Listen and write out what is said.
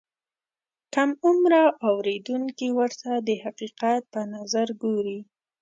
کم عمره اورېدونکي ورته د حقیقت په نظر ګوري.